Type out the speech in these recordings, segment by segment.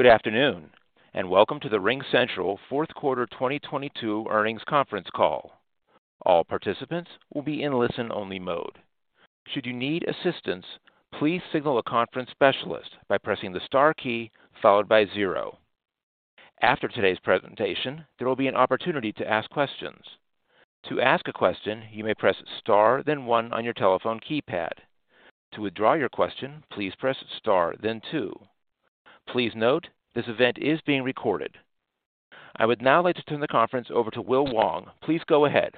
Good afternoon, and welcome to the RingCentral fourth quarter 2022 earnings conference call. All participants will be in listen-only mode. Should you need assistance, please signal a conference specialist by pressing the star key followed by zero. After todays presentation, there will be an opportunity to ask questions. To ask a question, you may press star then one on your telephone keypad. To withdraw your question, please press star then two. Please note, this event is being recorded. I would now like to turn the conference over to Will Wong. Please go ahead.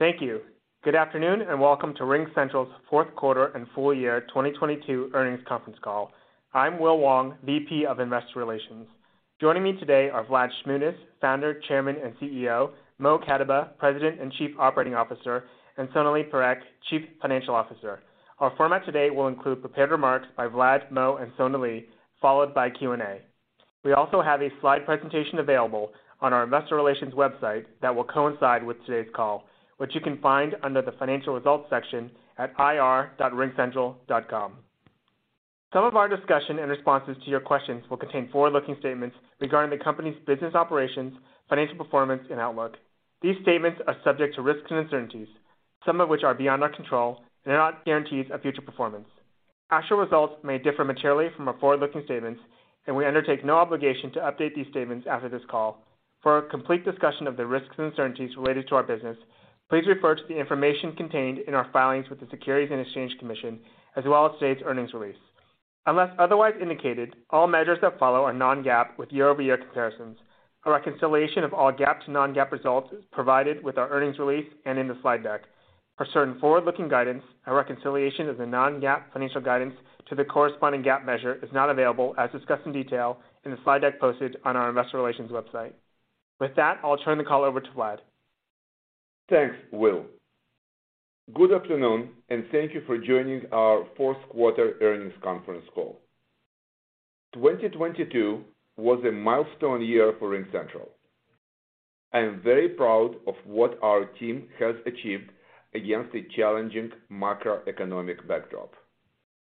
Thank you. Good afternoon, and welcome to RingCentral's fourth quarter and full year 2022 earnings conference call. I'm Will Wong, VP of Investor Relations. Joining me today are Vlad Shmunis, Founder, Chairman, and CEO; Mo Katibeh, President and Chief Operating Officer; and Sonalee Parekh, Chief Financial Officer. Our format today will include prepared remarks by Vlad, Mo, and Sonalee, followed by Q&A. We also have a slide presentation available on our investor relations website that will coincide with today's call, which you can find under the Financial Results section at ir.ringcentral.com. Some of our discussion and responses to your questions will contain forward-looking statements regarding the company's business operations, financial performance, and outlook. These statements are subject to risks and uncertainties, some of which are beyond our control, and are not guarantees of future performance. Actual results may differ materially from our forward-looking statements, and we undertake no obligation to update these statements after this call. For a complete discussion of the risks and uncertainties related to our business, please refer to the information contained in our filings with the Securities and Exchange Commission, as well as today's earnings release. Unless otherwise indicated, all measures that follow are non-GAAP with year-over-year comparisons. A reconciliation of all GAAP to non-GAAP results is provided with our earnings release and in the slide deck. For certain forward-looking guidance, a reconciliation of the non-GAAP financial guidance to the corresponding GAAP measure is not available as discussed in detail in the slide deck posted on our investor relations website. With that, I'll turn the call over to Vlad. Thanks, Will. Good afternoon, and thank you for joining our fourth quarter earnings conference call. 2022 was a milestone year for RingCentral. I am very proud of what our team has achieved against a challenging macroeconomic backdrop.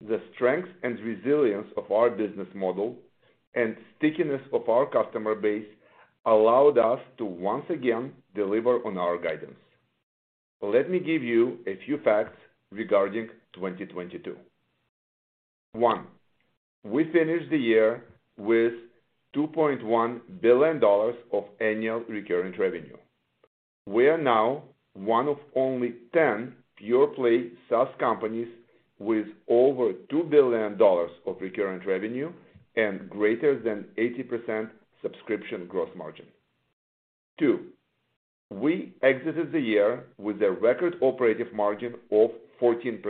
The strength and resilience of our business model and stickiness of our customer base allowed us to once again deliver on our guidance. Let me give you a few facts regarding 2022. One, we finished the year with $2.1 billion of annual recurring revenue. We are now one of only 10 pure-play SaaS companies with over $2 billion of recurring revenue and greater than 80% subscription growth margin. Two, we exited the year with a record operative margin of 14%,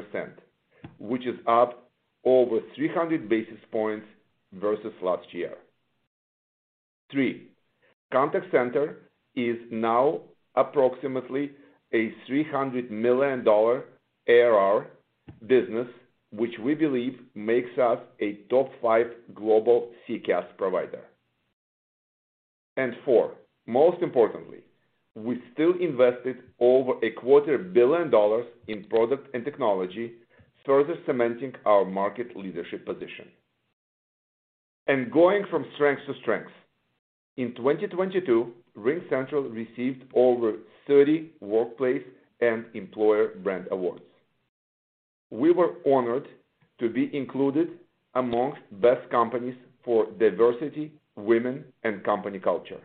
which is up over 300 basis points versus last year. Three, contact center is now approximately a $300 million ARR business, which we believe makes us a top five global CCaaS provider. Four, most importantly, we still invested over a quarter billion dollars in product and technology, further cementing our market leadership position. Going from strength to strength. In 2022, RingCentral received over 30 workplace and employer brand awards. We were honored to be included amongst best companies for diversity, women, and company culture.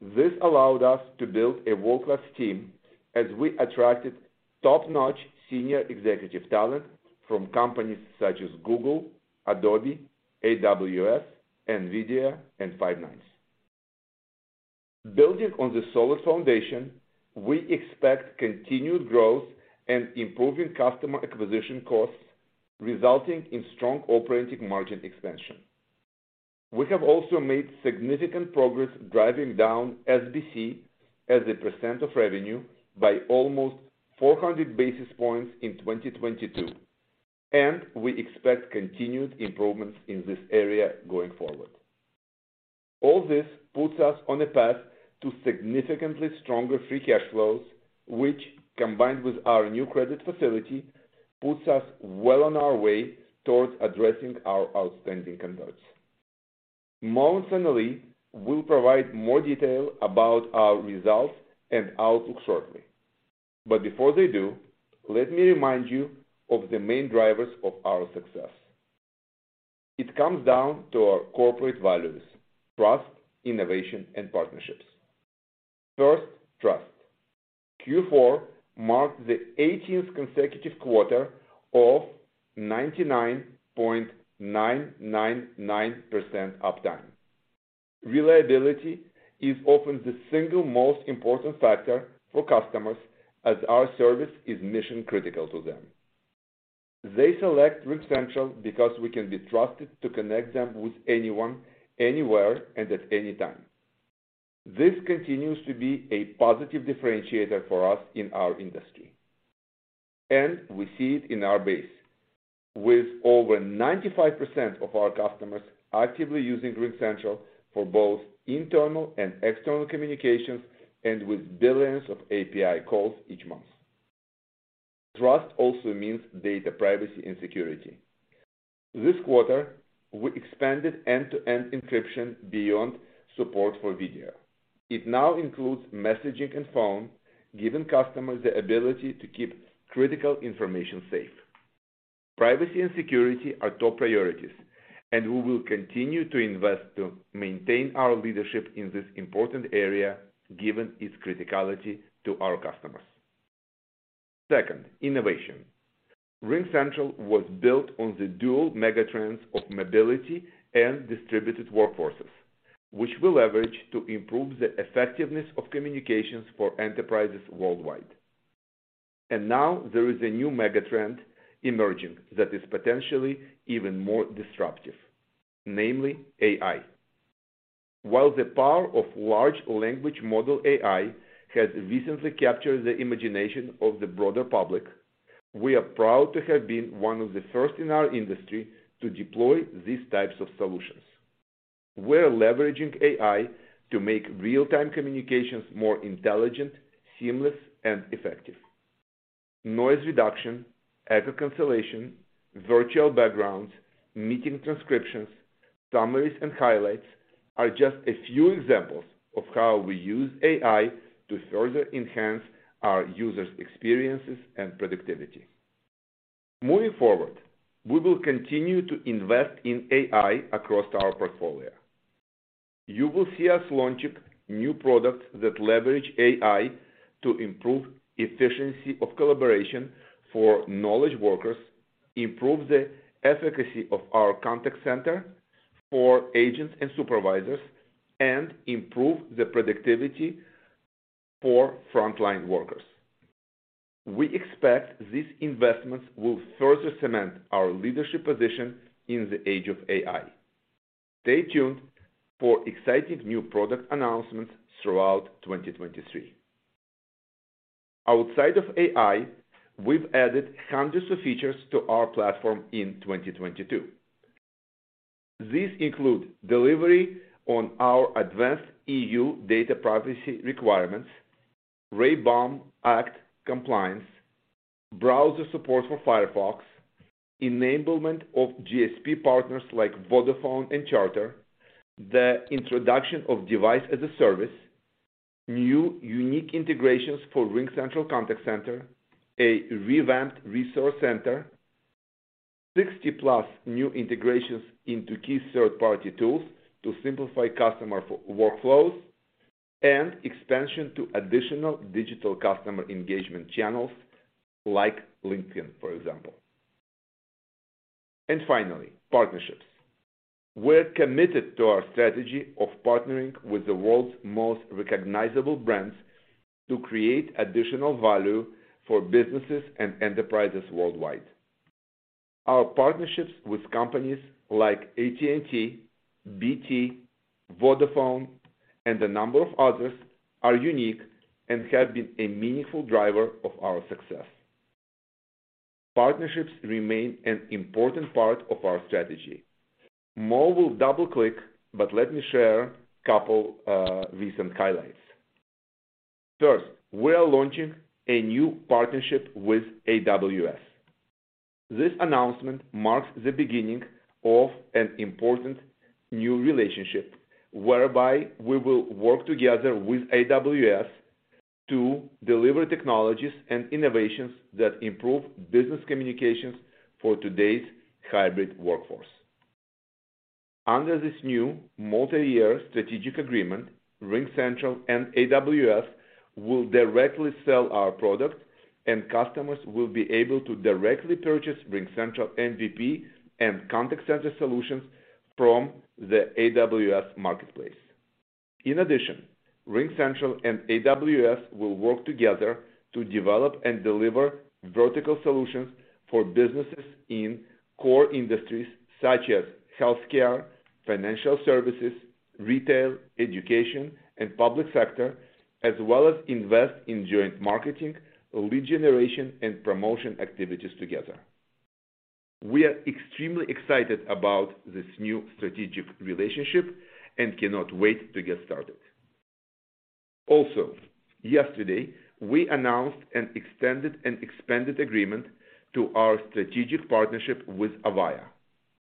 This allowed us to build a world-class team as we attracted top-notch senior executive talent from companies such as Google, Adobe, AWS, NVIDIA, and Five9. Building on the solid foundation, we expect continued growth and improving customer acquisition costs, resulting in strong operating margin expansion. We have also made significant progress driving down SBC as a percent of revenue by almost 400 basis points in 2022. We expect continued improvements in this area going forward. All this puts us on a path to significantly stronger free cash flows, which combined with our new credit facility, puts us well on our way towards addressing our outstanding converts. Mo and Sonalee will provide more detail about our results and outlook shortly. Before they do, let me remind you of the main drivers of our success. It comes down to our corporate values: trust, innovation, and partnerships. First, trust. Q4 marked the 18th consecutive quarter of 99.999% uptime. Reliability is often the single most important factor for customers as our service is mission-critical to them. They select RingCentral because we can be trusted to connect them with anyone, anywhere, and at any time. This continues to be a positive differentiator for us in our industry. We see it in our base. With over 95% of our customers actively using RingCentral for both internal and external communications and with billions of API calls each month. Trust also means data privacy and security. This quarter, we expanded end-to-end encryption beyond support for video. It now includes messaging and phone, giving customers the ability to keep critical information safe. Privacy and security are top priorities, and we will continue to invest to maintain our leadership in this important area, given its criticality to our customers. Second, innovation. RingCentral was built on the dual mega trends of mobility and distributed workforces, which we leverage to improve the effectiveness of communications for enterprises worldwide. Now there is a new mega trend emerging that is potentially even more disruptive, namely AI. While the power of large language model AI has recently captured the imagination of the broader public, we are proud to have been one of the first in our industry to deploy these types of solutions. We're leveraging AI to make real-time communications more intelligent, seamless, and effective. Noise reduction, echo cancellation, virtual backgrounds, meeting transcriptions, summaries, and highlights are just a few examples of how we use AI to further enhance our users' experiences and productivity. Moving forward, we will continue to invest in AI across our portfolio. You will see us launching new products that leverage AI to improve efficiency of collaboration for knowledge workers, improve the efficacy of our contact center for agents and supervisors, and improve the productivity for frontline workers. We expect these investments will further cement our leadership position in the age of AI. Stay tuned for exciting new product announcements throughout 2023. Outside of AI, we've added hundreds of features to our platform in 2022. These include delivery on our advanced EU data privacy requirements, RAY BAUM'S Act compliance, browser support for Firefox, enablement of DSP partners like Vodafone and Charter, the introduction of Device as a Service, new unique integrations for RingCentral Contact Center, a revamped resource center, 60+ new integrations into key third-party tools to simplify customer workflows, and expansion to additional digital customer engagement channels like LinkedIn, for example. Finally, partnerships. We're committed to our strategy of partnering with the world's most recognizable brands to create additional value for businesses and enterprises worldwide. Our partnerships with companies like AT&T, BT, Vodafone, and a number of others are unique and have been a meaningful driver of our success. Partnerships remain an important part of our strategy. Mo will double-click, but let me share couple recent highlights. First, we are launching a new partnership with AWS. This announcement marks the beginning of an important new relationship whereby we will work together with AWS to deliver technologies and innovations that improve business communications for today's hybrid workforce. Under this new multi-year strategic agreement, RingCentral and AWS will directly sell our product, and customers will be able to directly purchase RingCentral MVP and contact center solutions from the AWS Marketplace. In addition, RingCentral and AWS will work together to develop and deliver vertical solutions for businesses in core industries such as healthcare, financial services, retail, education, and public sector, as well as invest in joint marketing, lead generation, and promotion activities together. We are extremely excited about this new strategic relationship and cannot wait to get started. Yesterday, we announced an extended and expanded agreement to our strategic partnership with Avaya,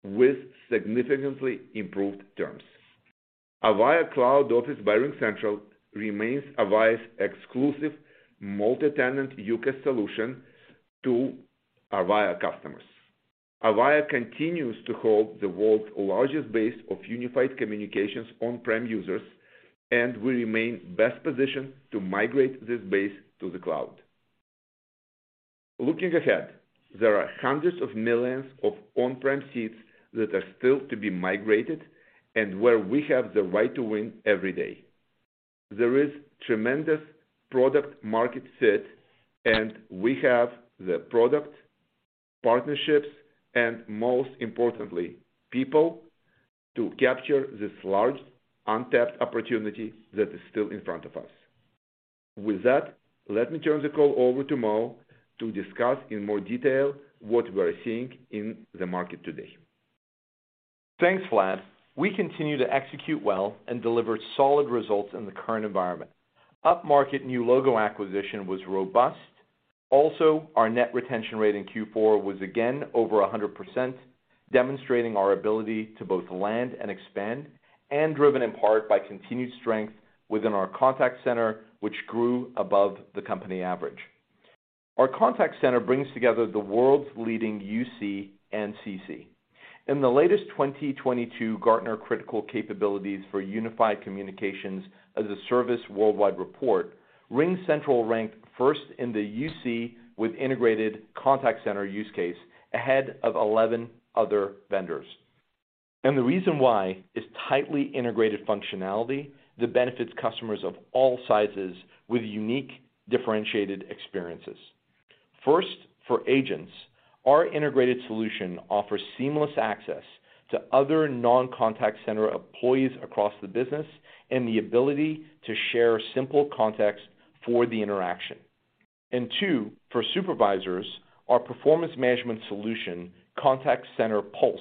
with significantly improved terms. Avaya Cloud Office by RingCentral remains Avaya's exclusive multi-tenant UCaaS solution to Avaya customers. Avaya continues to hold the world's largest base of unified communications on-prem users, and we remain best positioned to migrate this base to the cloud. Looking ahead, there are hundreds of millions of on-prem seats that are still to be migrated and where we have the right to win every day. There is tremendous product market fit, and we have the product, partnerships, and most importantly, people to capture this large untapped opportunity that is still in front of us. With that, let me turn the call over to Mo to discuss in more detail what we're seeing in the market today. Thanks, Vlad. We continue to execute well and deliver solid results in the current environment. Upmarket new logo acquisition was robust. Also, our net retention rate in Q4 was again over 100%, demonstrating our ability to both land and expand, and driven in part by continued strength within our contact center, which grew above the company average. Our contact center brings together the world's leading UC and CC. In the latest 2022 Gartner critical capabilities for Unified Communications as a Service worldwide report, RingCentral ranked first in the UC with integrated contact center use case ahead of 11 other vendors. The reason why is tightly integrated functionality that benefits customers of all sizes with unique differentiated experiences. First, for agents, our integrated solution offers seamless access to other non-contact center employees across the business and the ability to share simple context for the interaction. Two, for supervisors, our performance management solution, Contact Center Pulse,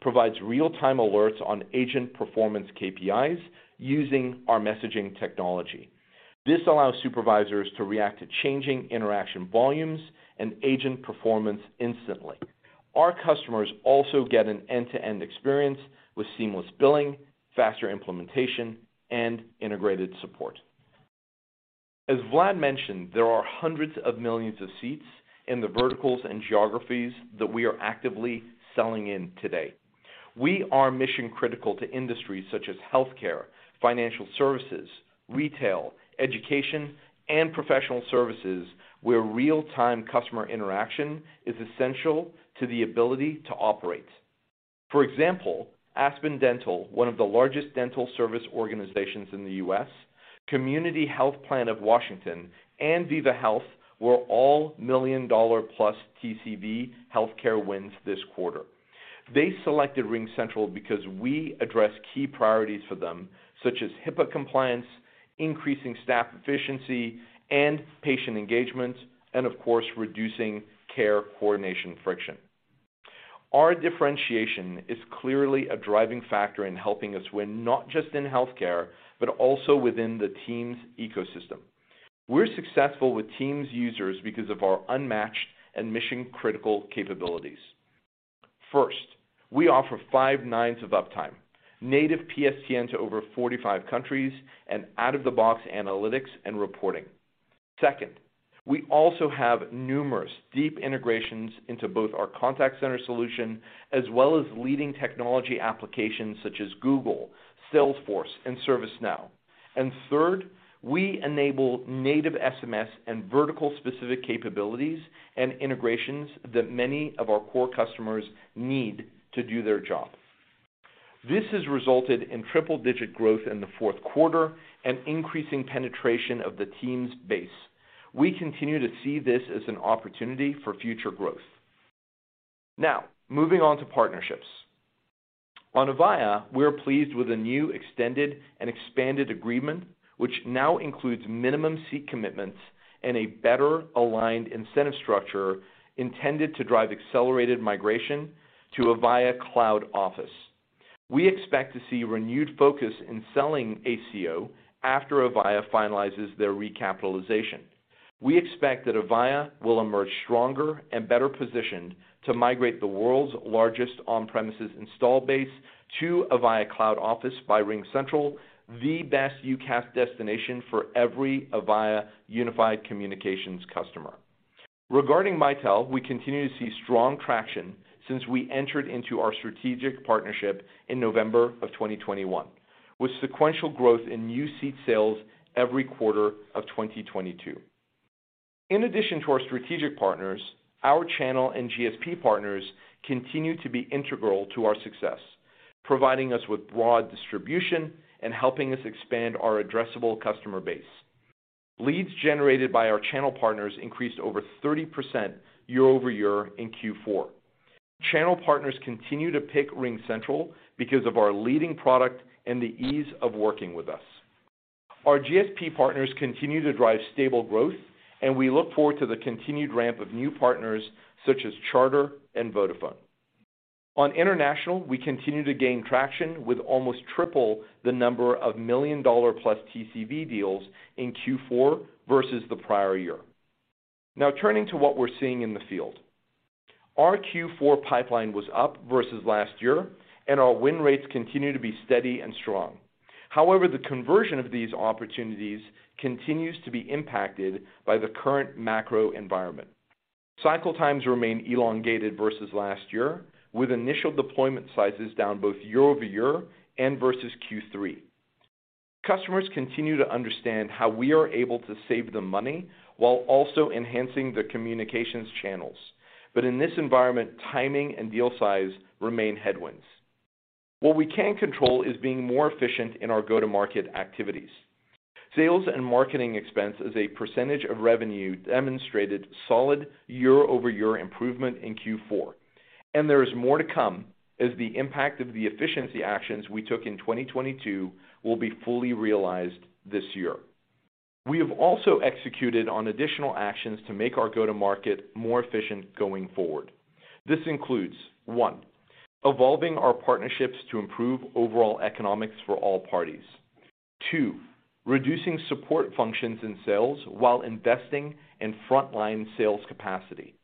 provides real-time alerts on agent performance KPIs using our messaging technology. This allows supervisors to react to changing interaction volumes and agent performance instantly. Our customers also get an end-to-end experience with seamless billing, faster implementation, and integrated support. As Vlad mentioned, there are hundreds of millions of seats in the verticals and geographies that we are actively selling in today. We are mission-critical to industries such as healthcare, financial services, retail, education, and professional services, where real-time customer interaction is essential to the ability to operate. For example, Aspen Dental, one of the largest dental service organizations in the US, Community Health Plan of Washington, and Viva Health were all $1 million-plus TCV healthcare wins this quarter. They selected RingCentral because we address key priorities for them, such as HIPAA compliance, increasing staff efficiency and patient engagement, of course, reducing care coordination friction. Our differentiation is clearly a driving factor in helping us win not just in healthcare, but also within the Teams ecosystem. We're successful with Teams users because of our unmatched and mission-critical capabilities. First, we offer five nines of uptime, native PSTN to over 45 countries, out-of-the-box analytics and reporting. Second, we also have numerous deep integrations into both our contact center solution as well as leading technology applications such as Google, Salesforce, and ServiceNow. Third, we enable native SMS and vertical-specific capabilities and integrations that many of our core customers need to do their job. This has resulted in triple-digit growth in the fourth quarter and increasing penetration of the Teams base. We continue to see this as an opportunity for future growth. Now, moving on to partnerships. On Avaya, we are pleased with the new extended and expanded agreement, which now includes minimum seat commitments and a better-aligned incentive structure intended to drive accelerated migration to Avaya Cloud Office. We expect to see renewed focus in selling ACO after Avaya finalizes their recapitalization. We expect that Avaya will emerge stronger and better positioned to migrate the world's largest on-premises install base to Avaya Cloud Office by RingCentral, the best UCaaS destination for every Avaya Unified Communications customer. Regarding Mitel, we continue to see strong traction since we entered into our strategic partnership in November of 2021, with sequential growth in new seat sales every quarter of 2022. In addition to our strategic partners, our channel and GSP partners continue to be integral to our success, providing us with broad distribution and helping us expand our addressable customer base. Leads generated by our channel partners increased over 30% year-over-year in Q4. Channel partners continue to pick RingCentral because of our leading product and the ease of working with us. Our GSP partners continue to drive stable growth, and we look forward to the continued ramp of new partners such as Charter and Vodafone. On international, we continue to gain traction with almost triple the number of $1 million-plus TCV deals in Q4 versus the prior year. Turning to what we're seeing in the field. Our Q4 pipeline was up versus last year, and our win rates continue to be steady and strong. The conversion of these opportunities continues to be impacted by the current macro environment. Cycle times remain elongated versus last year, with initial deployment sizes down both year-over-year and versus Q3. Customers continue to understand how we are able to save them money while also enhancing their communications channels. In this environment, timing and deal size remain headwinds. What we can control is being more efficient in our go-to-market activities. Sales and marketing expense as a percentage of revenue demonstrated solid year-over-year improvement in Q4. There is more to come as the impact of the efficiency actions we took in 2022 will be fully realized this year. We have also executed on additional actions to make our go-to-market more efficient going forward. This includes, 1, evolving our partnerships to improve overall economics for all parties. 2, reducing support functions in sales while investing in frontline sales capacity.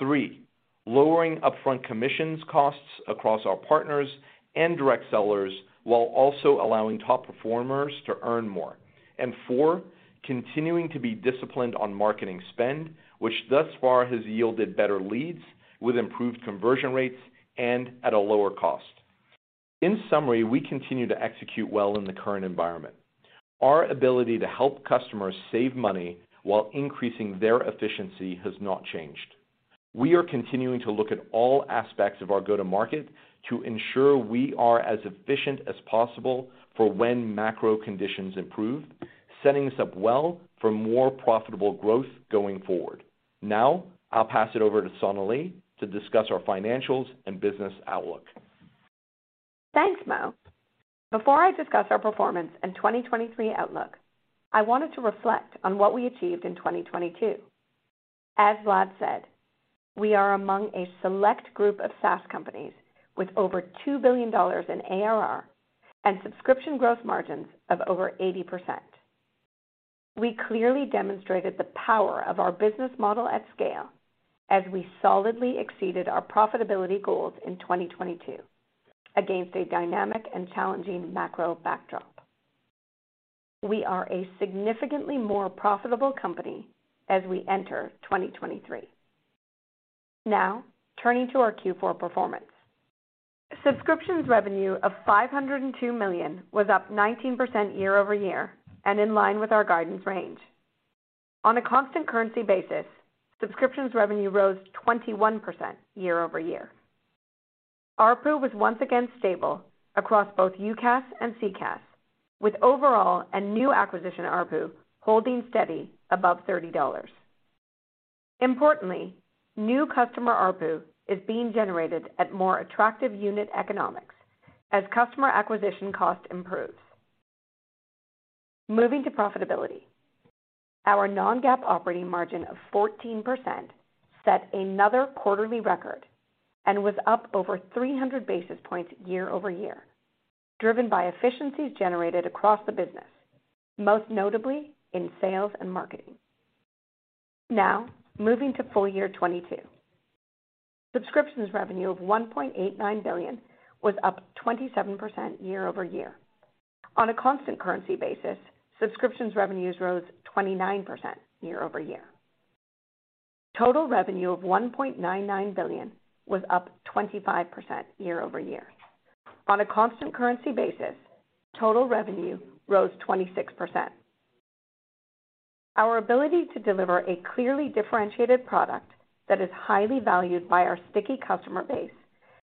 3, lowering upfront commissions costs across our partners and direct sellers, while also allowing top performers to earn more. 4, continuing to be disciplined on marketing spend, which thus far has yielded better leads with improved conversion rates and at a lower cost. In summary, we continue to execute well in the current environment. Our ability to help customers save money while increasing their efficiency has not changed. We are continuing to look at all aspects of our go-to-market to ensure we are as efficient as possible for when macro conditions improve, setting us up well for more profitable growth going forward. Now I'll pass it over to Sonalee to discuss our financials and business outlook. Thanks, Mo. Before I discuss our performance in 2023 outlook, I wanted to reflect on what we achieved in 2022. As Vlad said, we are among a select group of SaaS companies with over $2 billion in ARR and subscription gross margins of over 80%. We clearly demonstrated the power of our business model at scale as we solidly exceeded our profitability goals in 2022 against a dynamic and challenging macro backdrop. We are a significantly more profitable company as we enter 2023. Turning to our Q4 performance. Subscriptions revenue of $502 million was up 19% year-over-year and in line with our guidance range. On a constant currency basis, subscriptions revenue rose 21% year-over-year. ARPU was once again stable across both UCaaS and CCaaS, with overall and new acquisition ARPU holding steady above $30. Importantly, new customer ARPU is being generated at more attractive unit economics as customer acquisition cost improves. Moving to profitability. Our non-GAAP operating margin of 14% set another quarterly record and was up over 300 basis points year-over-year, driven by efficiencies generated across the business, most notably in sales and marketing. Moving to full year 2022. Subscriptions revenue of $1.89 billion was up 27% year-over-year. On a constant currency basis, subscriptions revenues rose 29% year-over-year. Total revenue of $1.99 billion was up 25% year-over-year. On a constant currency basis, total revenue rose 26%. Our ability to deliver a clearly differentiated product that is highly valued by our sticky customer base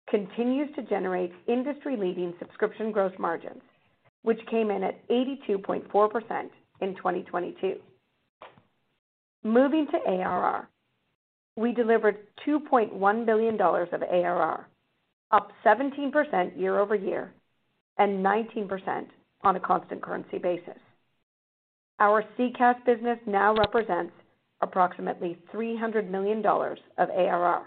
continues to generate industry-leading subscription growth margins, which came in at 82.4% in 2022. Moving to ARR. We delivered $2.1 billion of ARR, up 17% year-over-year, and 19% on a constant currency basis. Our CCaaS business now represents approximately $300 million of ARR.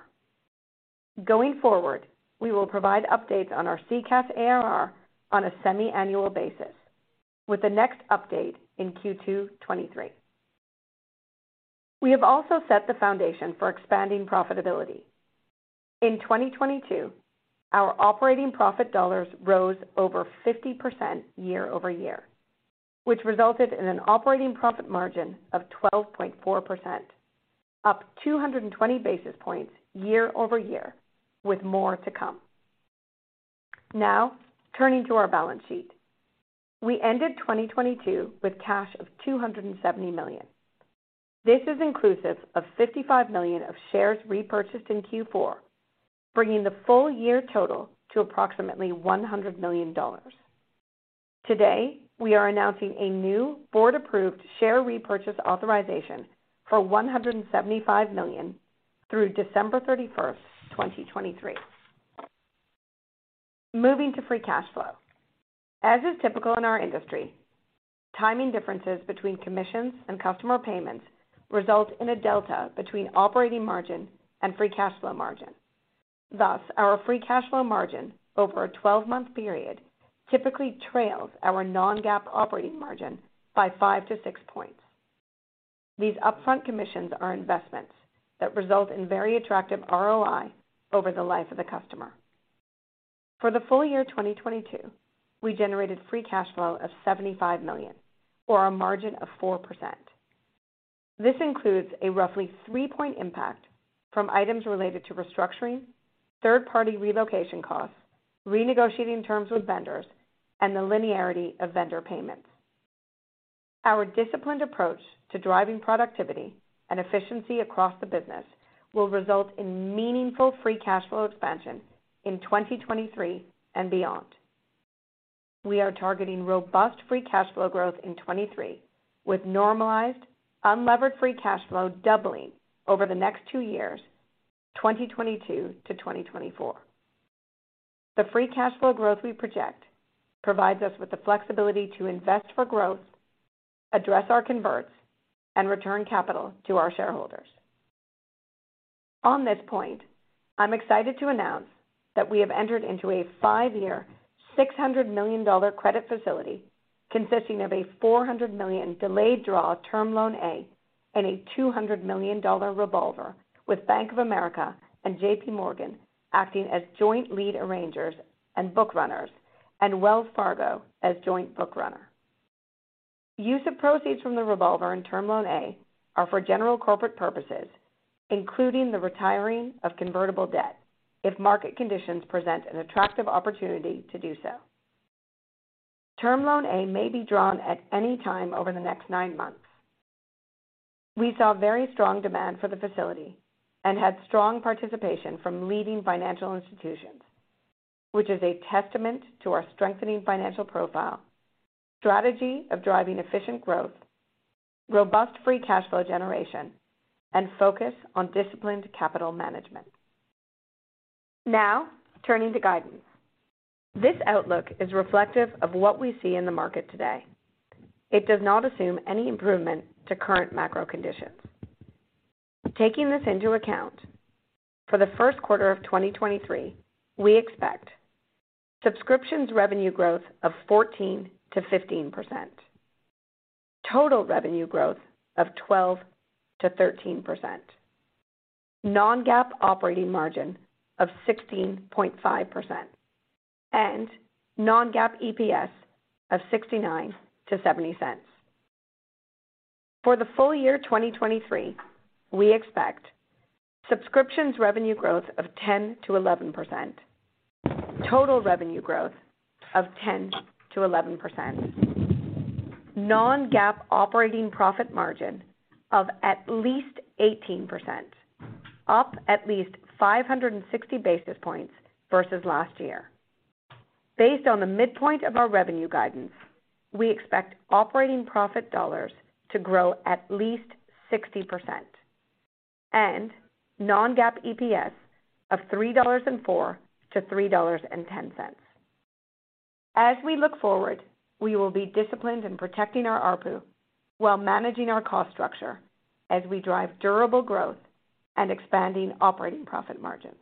Going forward, we will provide updates on our CCaaS ARR on a semiannual basis, with the next update in Q2 2023. We have also set the foundation for expanding profitability. In 2022, our operating profit dollars rose over 50% year-over-year, which resulted in an operating profit margin of 12.4%, up 220 basis points year-over-year, with more to come. Turning to our balance sheet. We ended 2022 with cash of $270 million. This is inclusive of $55 million of shares repurchased in Q4, bringing the full year total to approximately $100 million. Today, we are announcing a new board-approved share repurchase authorization for $175 million through December 31, 2023. Moving to free cash flow. As is typical in our industry, timing differences between commissions and customer payments result in a delta between operating margin and free cash flow margin. Our free cash flow margin over a 12-month period typically trails our non-GAAP operating margin by five to six points. These upfront commissions are investments that result in very attractive ROI over the life of the customer. For the full year 2022, we generated free cash flow of $75 million, or a margin of 4%. This includes a roughly 3-point impact from items related to restructuring, third-party relocation costs, renegotiating terms with vendors, and the linearity of vendor payments. Our disciplined approach to driving productivity and efficiency across the business will result in meaningful free cash flow expansion in 2023 and beyond. We are targeting robust free cash flow growth in 2023, with normalized unlevered free cash flow doubling over the next two years, 2022 to 2024. The free cash flow growth we project provides us with the flexibility to invest for growth, address our converts, and return capital to our shareholders. On this point, I'm excited to announce that we have entered into a five-year, $600 million credit facility consisting of a $400 million delayed draw term loan A and a $200 million revolver with Bank of America and JPMorgan acting as joint lead arrangers and bookrunners, and Wells Fargo as joint bookrunner. Use of proceeds from the revolver and Term loan A are for general corporate purposes, including the retiring of convertible debt if market conditions present an attractive opportunity to do so. Term loan A may be drawn at any time over the next nine months. We saw very strong demand for the facility and had strong participation from leading financial institutions, which is a testament to our strengthening financial profile, strategy of driving efficient growth, robust free cash flow generation, and focus on disciplined capital management. Now, turning to guidance. This outlook is reflective of what we see in the market today. It does not assume any improvement to current macro conditions. Taking this into account, for the first quarter of 2023, we expect subscriptions revenue growth of 14%-15%, total revenue growth of 12%-13%, non-GAAP operating margin of 16.5%, and non-GAAP EPS of $0.69-$0.70. For the full year 2023, we expect subscriptions revenue growth of 10%-11%, total revenue growth of 10%-11%, non-GAAP operating profit margin of at least 18%, up at least 560 basis points versus last year. Based on the midpoint of our revenue guidance, we expect operating profit dollars to grow at least 60% and non-GAAP EPS of $3.04-$3.10. As we look forward, we will be disciplined in protecting our ARPU while managing our cost structure as we drive durable growth and expanding operating profit margins.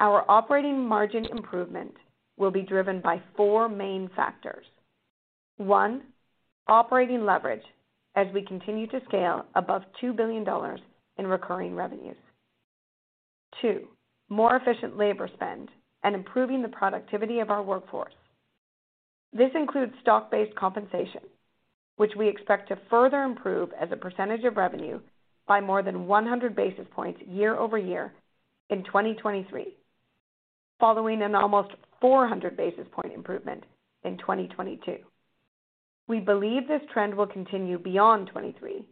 Our operating margin improvement will be driven by four main factors. One, operating leverage as we continue to scale above $2 billion in recurring revenues. Two, more efficient labor spend and improving the productivity of our workforce. This includes stock-based compensation, which we expect to further improve as a percentage of revenue by more than 100 basis points year-over-year in 2023, following an almost 400 basis point improvement in 2022. We believe this trend will continue beyond 2023,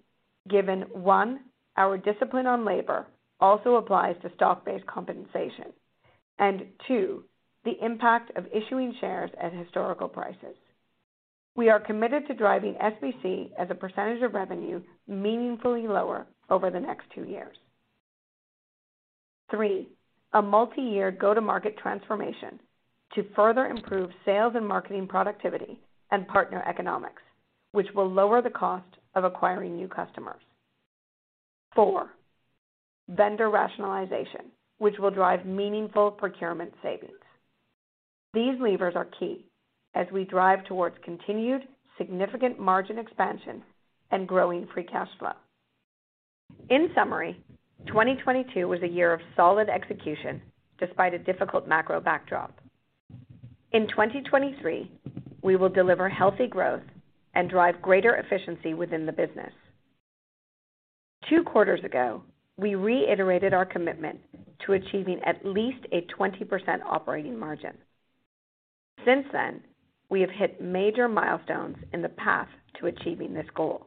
given, one, our discipline on labor also applies to stock-based compensation, and two, the impact of issuing shares at historical prices. We are committed to driving SBC as a percentage of revenue meaningfully lower over the next two years. Three, a multi-year go-to-market transformation to further improve sales and marketing productivity and partner economics, which will lower the cost of acquiring new customers. Four, vendor rationalization, which will drive meaningful procurement savings. These levers are key as we drive towards continued significant margin expansion and growing free cash flow. In summary, 2022 was a year of solid execution despite a difficult macro backdrop. In 2023, we will deliver healthy growth and drive greater efficiency within the business. Two quarters ago, we reiterated our commitment to achieving at least a 20% operating margin. Since then, we have hit major milestones in the path to achieving this goal.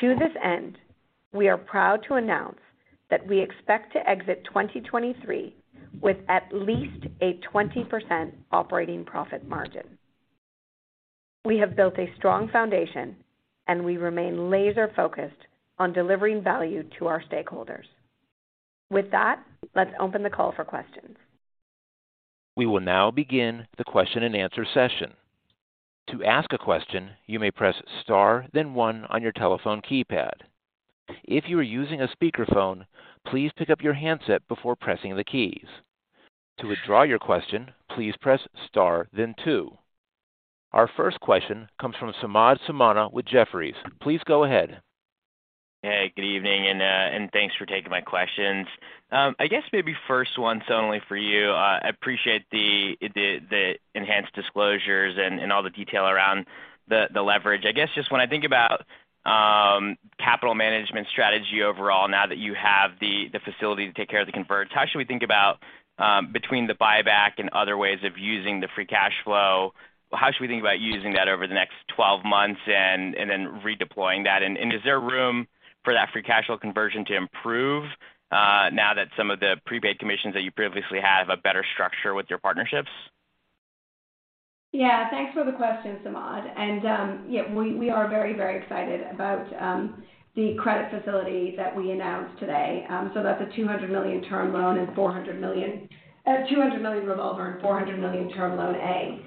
To this end, we are proud to announce that we expect to exit 2023 with at least a 20% operating profit margin. We have built a strong foundation, and we remain laser-focused on delivering value to our stakeholders. With that, let's open the call for questions. We will now begin the question and answer session. To ask a question, you may press star then one on your telephone keypad. If you are using a speakerphone, please pick up your handset before pressing the keys. To withdraw your question, please press star then two. Our first question comes from Samad Samana with Jefferies. Please go ahead. Hey, good evening, and thanks for taking my questions. I guess maybe first one's only for you. I appreciate the enhanced disclosures and all the detail around the leverage. I guess just when I think about capital management strategy overall now that you have the facility to take care of the converts, how should we think about between the buyback and other ways of using the free cash flow, how should we think about using that over the next 12 months and then redeploying that? Is there room for that free cash flow conversion to improve now that some of the prepaid commissions that you previously had have a better structure with your partnerships? Thanks for the question, Samad. We are very, very excited about the credit facility that we announced today. That's a $200 million revolver and $400 million term loan A.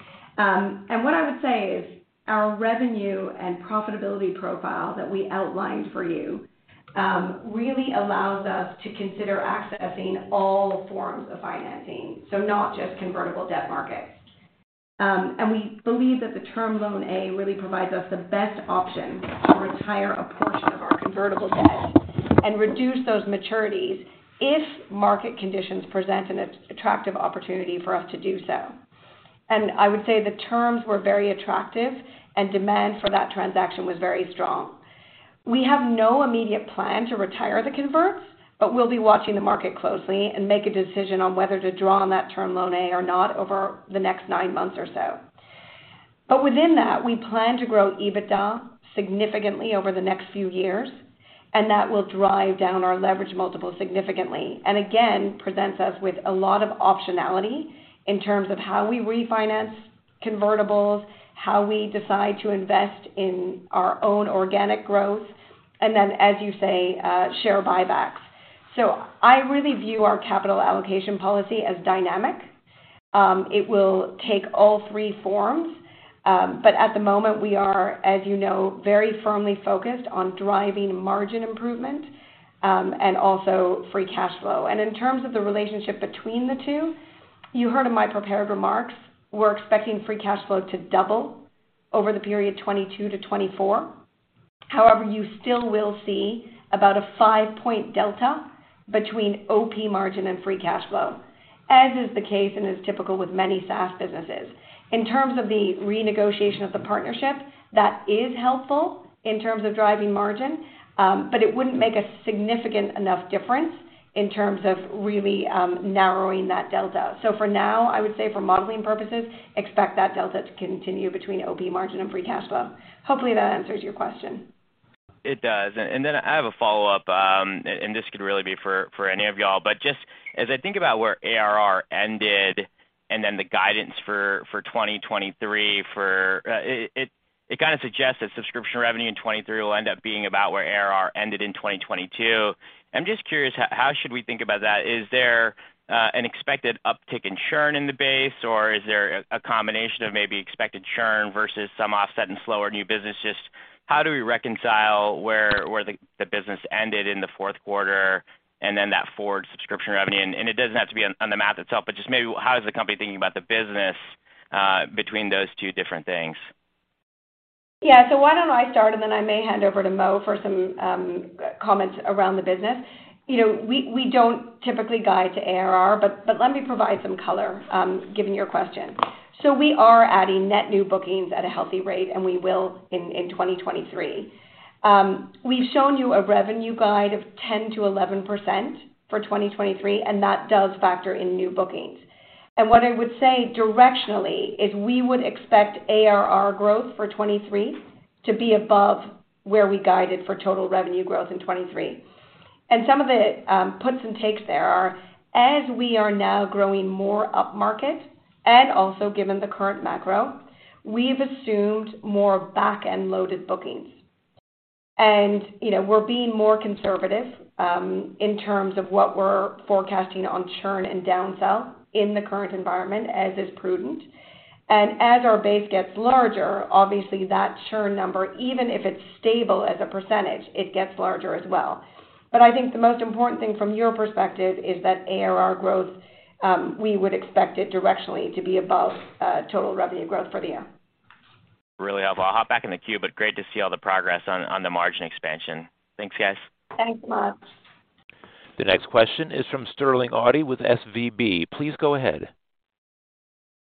What I would say is our revenue and profitability profile that we outlined for you really allows us to consider accessing all forms of financing, so not just convertible debt markets. We believe that the term loan A really provides us the best option to retire a portion of our convertible debt and reduce those maturities if market conditions present an attractive opportunity for us to do so. I would say the terms were very attractive and demand for that transaction was very strong. We have no immediate plan to retire the converts, but we'll be watching the market closely and make a decision on whether to draw on that term loan A or not over the next nine months or so. Within that, we plan to grow EBITDA significantly over the next few years, and that will drive down our leverage multiple significantly. Again, presents us with a lot of optionality in terms of how we refinance convertibles, how we decide to invest in our own organic growth, and then, as you say, share buybacks. I really view our capital allocation policy as dynamic. It will take all three forms. At the moment, we are, as you know, very firmly focused on driving margin improvement, and also free cash flow. In terms of the relationship between the two, you heard in my prepared remarks, we're expecting free cash flow to double over the period 2022-2024. However, you still will see about a 5-point delta between OP margin and free cash flow, as is the case and is typical with many SaaS businesses. In terms of the renegotiation of the partnership, that is helpful in terms of driving margin, but it wouldn't make a significant enough difference in terms of really narrowing that delta. For now, I would say for modeling purposes, expect that delta to continue between OP margin and free cash flow. Hopefully that answers your question. It does. I have a follow-up, and this could really be for any of y'all. Just as I think about where ARR ended and then the guidance for 2023, it kinda suggests that subscription revenue in 2023 will end up being about where ARR ended in 2022. I'm just curious, how should we think about that? Is there an expected uptick in churn in the base, or is there a combination of maybe expected churn versus some offset in slower new business? Just how do we reconcile where the business ended in the fourth quarter and then that forward subscription revenue? It doesn't have to be on the math itself, but just maybe how is the company thinking about the business, between those two different things? Yeah. Why don't I start, and then I may hand over to Mo for some comments around the business. You know, we don't typically guide to ARR, but let me provide some color given your question. We are adding net new bookings at a healthy rate, and we will in 2023. We've shown you a revenue guide of 10%-11% for 2023, and that does factor in new bookings. What I would say directionally is we would expect ARR growth for 2023 to be above where we guided for total revenue growth in 2023. Some of the puts and takes there are, as we are now growing more upmarket and also given the current macro, we've assumed more back-end-loaded bookings. You know, we're being more conservative in terms of what we're forecasting on churn and downsell in the current environment, as is prudent. As our base gets larger, obviously that churn number, even if it's stable as a %, it gets larger as well. I think the most important thing from your perspective is that ARR growth, we would expect it directionally to be above total revenue growth for the year. Really helpful. I'll hop back in the queue, but great to see all the progress on the margin expansion. Thanks, guys. Thanks, Samad. The next question is from Sterling Auty with SVB. Please go ahead.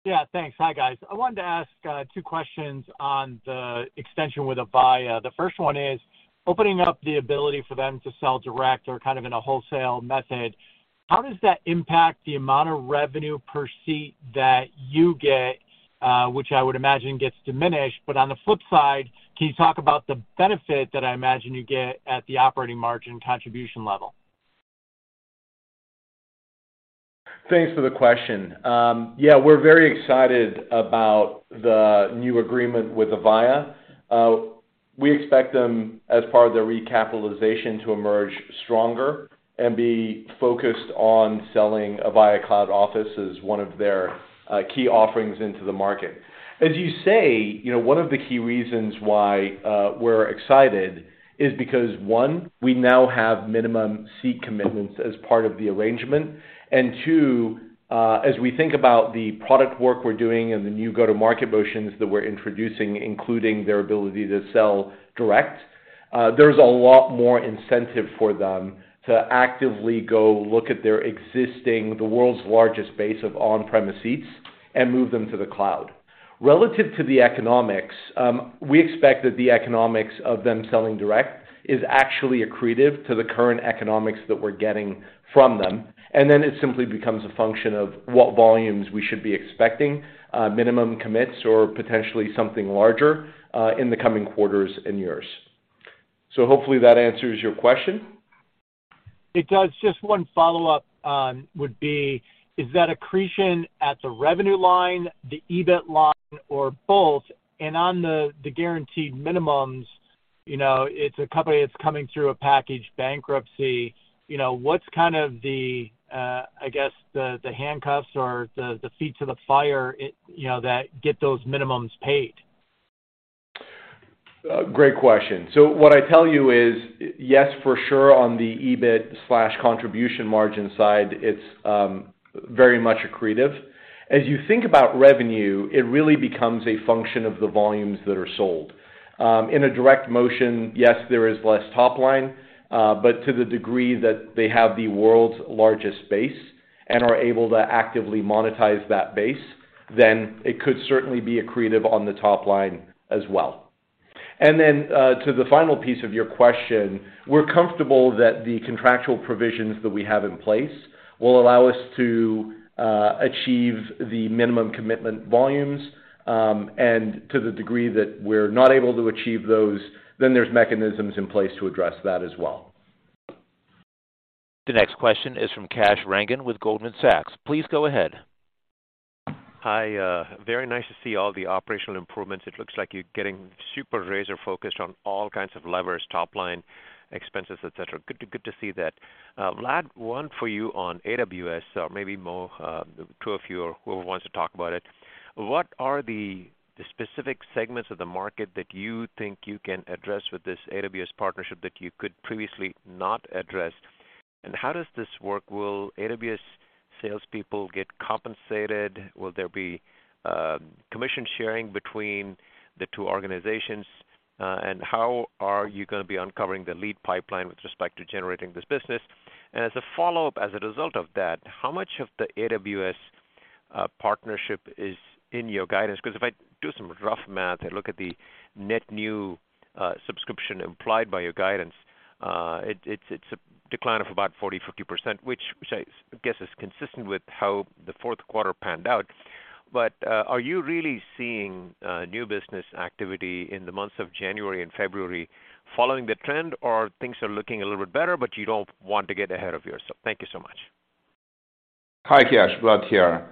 Yeah, thanks. Hi, guys. I wanted to ask two questions on the extension with Avaya. The first one is, opening up the ability for them to sell direct or kind of in a wholesale method, how does that impact the amount of revenue per seat that you get, which I would imagine gets diminished? On the flip side, can you talk about the benefit that I imagine you get at the operating margin contribution level? Thanks for the question. Yeah, we're very excited about the new agreement with Avaya. We expect them, as part of their recapitalization, to emerge stronger and be focused on selling Avaya Cloud Office as one of their key offerings into the market. As you say, you know, one of the key reasons why we're excited is because, one, we now have minimum seat commitments as part of the arrangement. Two, as we think about the product work we're doing and the new go-to-market motions that we're introducing, including their ability to sell direct, there's a lot more incentive for them to actively go look at their existing the world's largest base of on-premise seats and move them to the cloud. Relative to the economics, we expect that the economics of them selling direct is actually accretive to the current economics that we're getting from them, and then it simply becomes a function of what volumes we should be expecting, minimum commits or potentially something larger, in the coming quarters and years. Hopefully that answers your question. It does. Just one follow-up, would be, is that accretion at the revenue line, the EBIT line, or both? On the guaranteed minimums, you know, it's a company that's coming through a package bankruptcy. You know, what's kind of the, I guess the handcuffs or the feet to the fire, you know, that get those minimums paid? Great question. What I tell you is, yes, for sure on the EBIT slash contribution margin side, it's very much accretive. As you think about revenue, it really becomes a function of the volumes that are sold. In a direct motion, yes, there is less top line, but to the degree that they have the world's largest base and are able to actively monetize that base, it could certainly be accretive on the top line as well. To the final piece of your question, we're comfortable that the contractual provisions that we have in place will allow us to achieve the minimum commitment volumes, and to the degree that we're not able to achieve those, then there's mechanisms in place to address that as well. The next question is from Kash Rangan with Goldman Sachs. Please go ahead. Hi, very nice to see all the operational improvements. It looks like you're getting super razor-focused on all kinds of levers, top line expenses, et cetera. Good to see that. Vlad, one for you on AWS, or maybe Mo, the two of you or whoever wants to talk about it. What are the specific segments of the market that you think you can address with this AWS partnership that you could previously not address? How does this work? Will AWS salespeople get compensated? Will there be, commission sharing between the two organizations? How are you gonna be uncovering the lead pipeline with respect to generating this business? As a follow-up, as a result of that, how much of the AWS, partnership is in your guidance? If I do some rough math and look at the net new subscription implied by your guidance, it's, it's a decline of about 40, 50%, which I guess is consistent with how the fourth quarter panned out. Are you really seeing new business activity in the months of January and February following the trend, or things are looking a little bit better, but you don't want to get ahead of yourself? Thank you so much. Hi, Kash. Vlad here.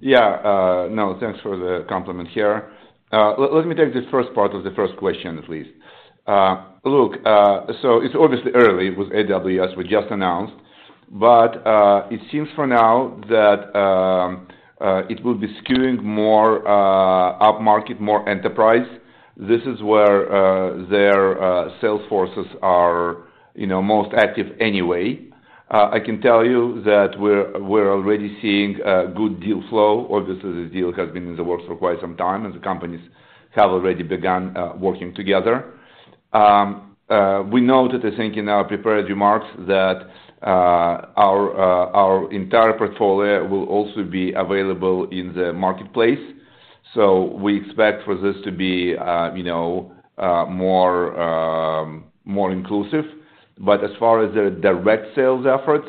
Yeah, no, thanks for the compliment here. Let me take the first part of the first question at least. Look, so it's obviously early with AWS, we just announced. It seems for now that it will be skewing more upmarket, more enterprise. This is where their sales forces are, you know, most active anyway. I can tell you that we're already seeing good deal flow. Obviously, the deal has been in the works for quite some time, and the companies have already begun working together. We noted, I think, in our prepared remarks that our entire portfolio will also be available in the AWS Marketplace. We expect for this to be, you know, more inclusive. as far as the direct sales efforts,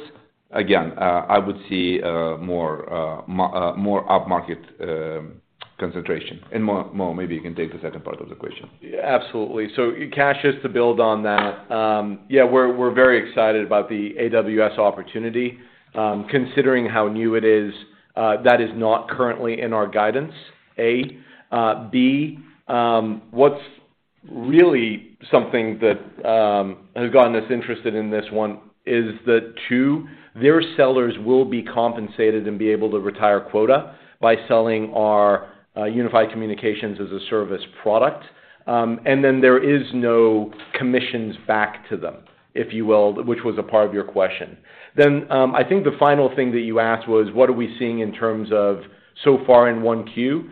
again, I would see, more, more upmarket, concentration. Mo, maybe you can take the second part of the question. Absolutely. Kash, just to build on that, yeah, we're very excited about the AWS opportunity. Considering how new it is, that is not currently in our guidance, A. B, what's really something that has gotten us interested in this one is that 2, their sellers will be compensated and be able to retire quota by selling our unified communications as a service product. There is no commissions back to them, if you will, which was a part of your question. I think the final thing that you asked was, what are we seeing in terms of so far in 1Q?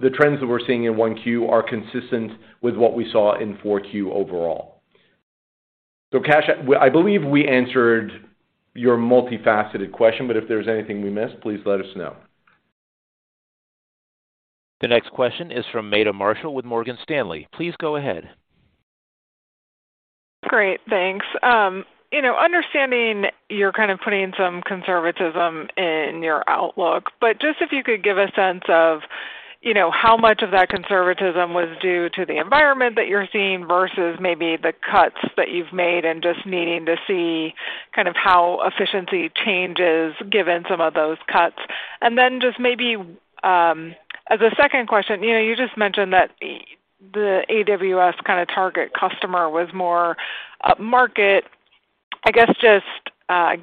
The trends that we're seeing in 1Q are consistent with what we saw in 4Q overall. Kash, I believe we answered your multifaceted question, but if there's anything we missed, please let us know. The next question is from Meta Marshall with Morgan Stanley. Please go ahead. Great, thanks. You know, understanding you're kind of putting some conservatism in your outlook, just if you could give a sense of, you know, how much of that conservatism was due to the environment that you're seeing versus maybe the cuts that you've made and just needing to see kind of how efficiency changes given some of those cuts. Then just maybe, as a second question, you know, you just mentioned that the AWS kind of target customer was more upmarket. I guess just,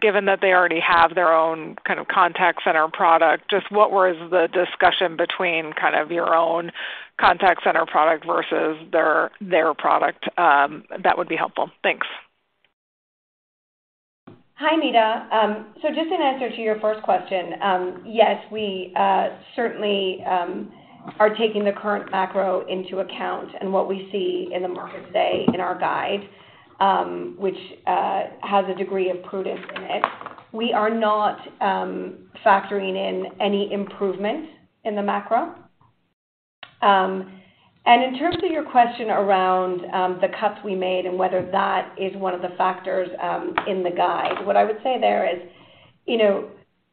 given that they already have their own kind of contact center product, just what was the discussion between kind of your own contact center product versus their product? That would be helpful. Thanks. Hi, Meta. Just in answer to your first question, yes, we certainly are taking the current macro into account and what we see in the market today in our guide, which has a degree of prudence in it. We are not factoring in any improvement in the macro. In terms of your question around the cuts we made and whether that is one of the factors in the guide, what I would say there is, you know.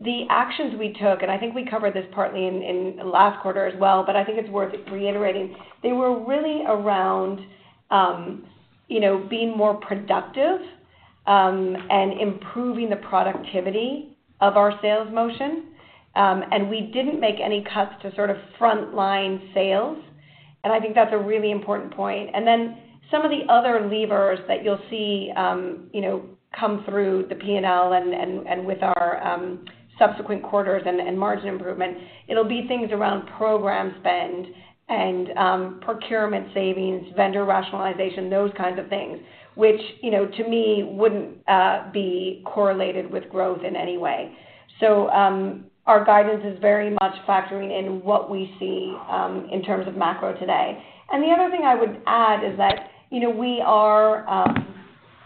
The actions we took, and I think we covered this partly in last quarter as well, but I think it's worth reiterating. They were really around, you know, being more productive, and improving the productivity of our sales motion. We didn't make any cuts to sort of frontline sales, and I think that's a really important point. Some of the other levers that you'll see, you know, come through the P&L and, with our subsequent quarters and, margin improvement, it'll be things around program spend and, procurement savings, vendor rationalization, those kinds of things, which, you know, to me wouldn't be correlated with growth in any way. Our guidance is very much factoring in what we see in terms of macro today. I would add is that, you know, we are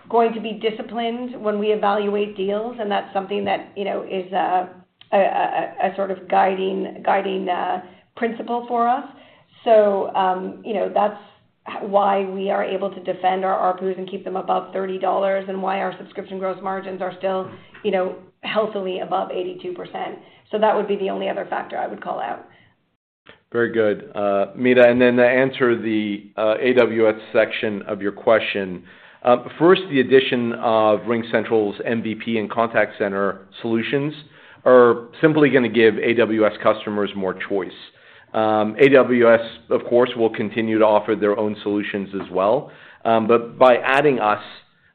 going to be disciplined when we evaluate deals, and that's something that, you know, is a sort of guiding principle for us. You know, that's why we are able to defend our ARPU and keep them above $30, and why our subscription gross margins are still, you know, healthily above 82%. That would be the only other factor I would call out. Very good, Meera. Then to answer the AWS section of your question. First, the addition of RingCentral's MVP and contact center solutions are simply gonna give AWS customers more choice. AWS, of course, will continue to offer their own solutions as well, but by adding us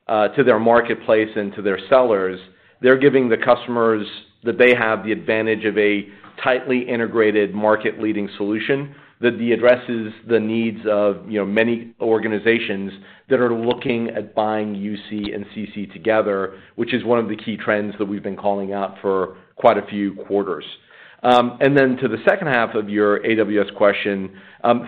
to their Marketplace and to their sellers, they're giving the customers that they have the advantage of a tightly integrated market-leading solution that addresses the needs of, you know, many organizations that are looking at buying UC and CC together, which is one of the key trends that we've been calling out for quite a few quarters. Then to the second half of your AWS question,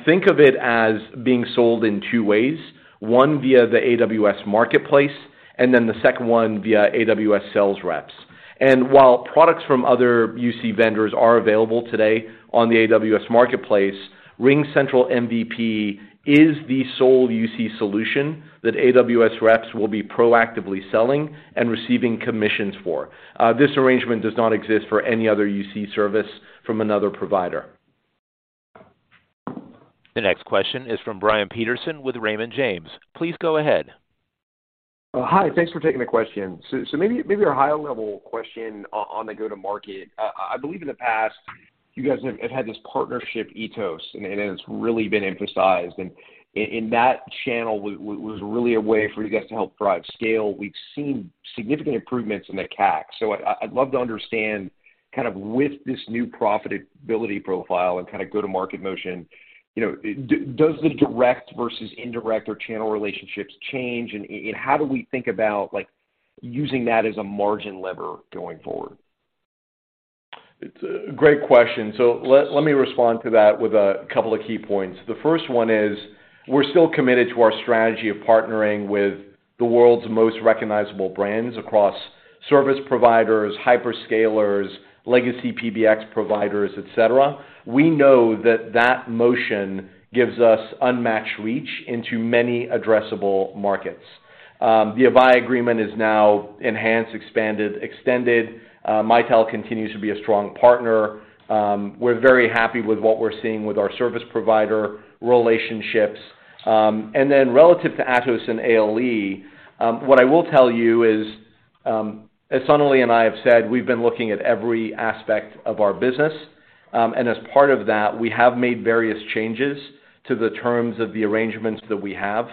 think of it as being sold in two ways, one via the AWS Marketplace, and the second one via AWS sales reps. While products from other UC vendors are available today on the AWS Marketplace, RingCentral MVP is the sole UC solution that AWS reps will be proactively selling and receiving commissions for. This arrangement does not exist for any other UC service from another provider. The next question is from Brian Peterson with Raymond James. Please go ahead. Hi. Thanks for taking the question. Maybe, maybe a high-level question on the go-to-market. I believe in the past you guys have had this partnership ethos, and it's really been emphasized. In that channel was really a way for you guys to help drive scale. We've seen significant improvements in the CAC. I'd love to understand kind of with this new profitability profile and kinda go-to-market motion, you know, does the direct versus indirect or channel relationships change? How do we think about, like, using that as a margin lever going forward? It's a great question. Let me respond to that with a couple of key points. The first one is we're still committed to our strategy of partnering with the world's most recognizable brands across service providers, hyperscalers, legacy PBX providers, et cetera. We know that that motion gives us unmatched reach into many addressable markets. The Avaya agreement is now enhanced, expanded, extended. Mitel continues to be a strong partner. We're very happy with what we're seeing with our service provider relationships. And then relative to Atos and ALE, what I will tell you is, as Sonalee and I have said, we've been looking at every aspect of our business. And as part of that, we have made various changes to the terms of the arrangements that we have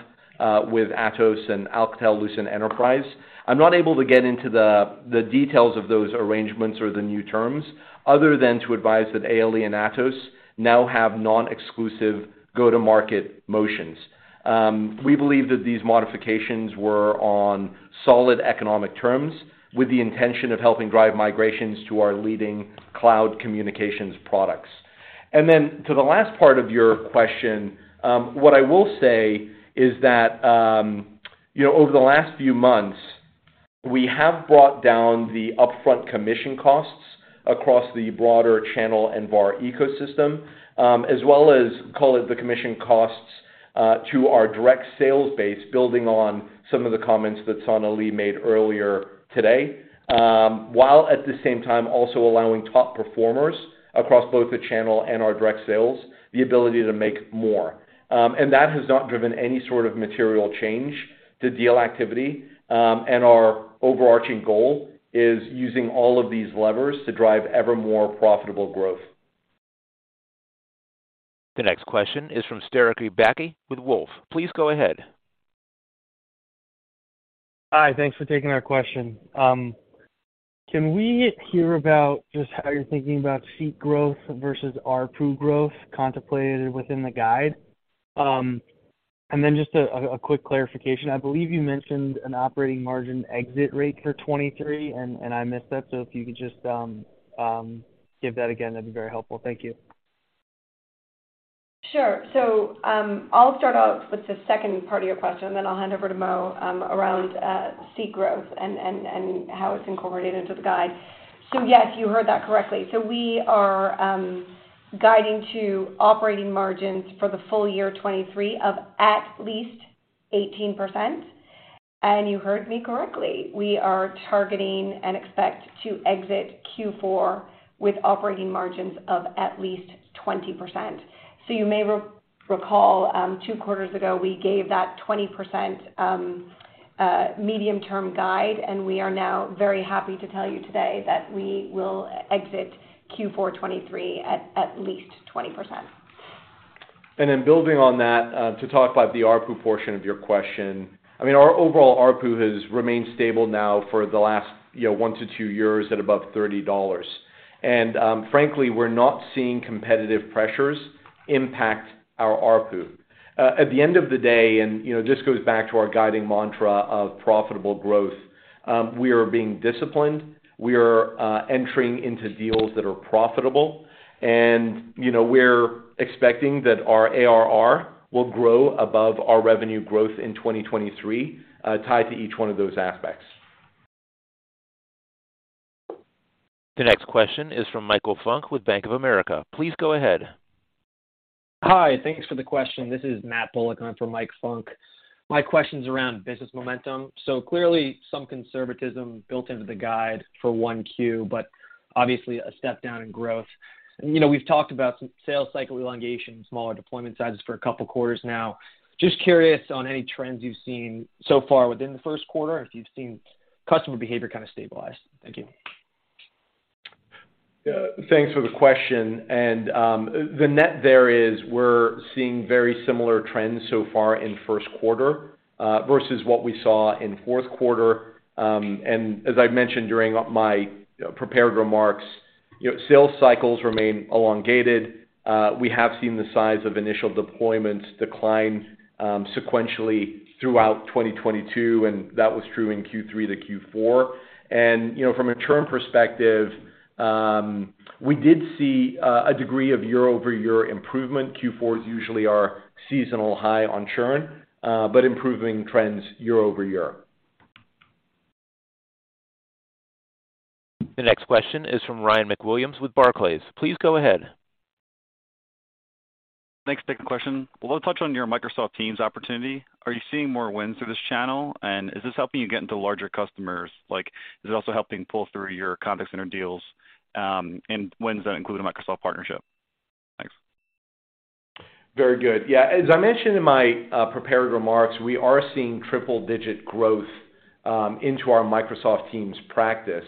with Atos and Alcatel-Lucent Enterprise. I'm not able to get into the details of those arrangements or the new terms other than to advise that ALE and Atos now have non-exclusive go-to-market motions. We believe that these modifications were on solid economic terms with the intention of helping drive migrations to our leading cloud communications products. To the last part of your question, what I will say is that, you know, over the last few months, we have brought down the upfront commission costs across the broader channel and VAR ecosystem, as well as call it the commission costs to our direct sales base, building on some of the comments that Sonalee made earlier today. While at the same time also allowing top performers across both the channel and our direct sales the ability to make more. That has not driven any sort of material change to deal activity. Our overarching goal is using all of these levers to drive ever more profitable growth. The next question is from Strecker Backe with Wolfe. Please go ahead. Hi. Thanks for taking our question. Can we hear about just how you're thinking about seat growth versus ARPU growth contemplated within the guide? Just a quick clarification. I believe you mentioned an operating margin exit rate for 23, and I missed that. If you could just give that again, that'd be very helpful. Thank you. Sure. I'll start out with the second part of your question, and then I'll hand over to Mo, around seat growth and how it's incorporated into the guide. Yes, you heard that correctly. We are guiding to operating margins for the full year 2023 of at least 18%. You heard me correctly. We are targeting and expect to exit Q4 with operating margins of at least 20%. You may recall, 2 quarters ago, we gave that 20% medium-term guide, and we are now very happy to tell you today that we will exit Q4 2023 at least 20%. Building on that, to talk about the ARPU portion of your question. I mean, our overall ARPU has remained stable now for the last, you know, one to two years at above $30. Frankly, we're not seeing competitive pressures impact our ARPU. At the end of the day, you know, this goes back to our guiding mantra of profitable growth, we are being disciplined. We are entering into deals that are profitable. You know, we're expecting that our ARR will grow above our revenue growth in 2023, tied to each one of those aspects. The next question is from Michael Funk with Bank of America. Please go ahead. Hi. Thanks for the question. This is Matt Bullock in for Mike Funk. My question's around business momentum. clearly some conservatism built into the guide for 1Q, but obviously a step down in growth. you know, we've talked about some sales cycle elongation, smaller deployment sizes for a couple quarters now. Just curious on any trends you've seen so far within the first quarter, if you've seen customer behavior kind of stabilize. Thank you. Yeah, thanks for the question. The net there is we're seeing very similar trends so far in first quarter versus what we saw in fourth quarter. As I've mentioned during my prepared remarks, you know, sales cycles remain elongated. We have seen the size of initial deployments decline sequentially throughout 2022, and that was true in Q3 to Q4. You know, from a churn perspective, we did see a degree of year-over-year improvement. Q4 is usually our seasonal high on churn, but improving trends year over year. The next question is from Ryan MacWilliams with Barclays. Please go ahead. Thanks. Take a question. A little touch on your Microsoft Teams opportunity. Are you seeing more wins through this channel? Is this helping you get into larger customers? Like, is it also helping pull through your contact center deals, and wins that include a Microsoft partnership? Thanks. Very good. As I mentioned in my prepared remarks, we are seeing triple-digit growth into our Microsoft Teams practice.